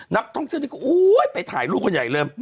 นักท่องเชื้อที่ที่อู้ยไปถ่ายลูกคนใหญ่เลย